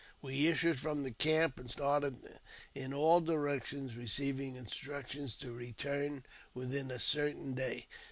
We issued from the camp, and started in all directions, receiving instructions to return within a certain day.